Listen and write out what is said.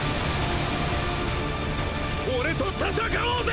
俺と戦おうぜ。